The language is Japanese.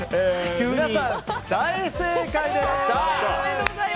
皆さん、大正解です！